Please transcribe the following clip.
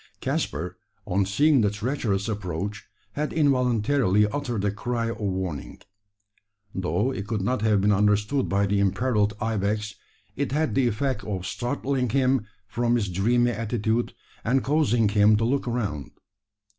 Caspar, on seeing the treacherous approach, had involuntarily uttered a cry of warning. Though it could not have been understood by the imperilled ibex, it had the effect of startling him from his dreamy attitude, and causing him to look around.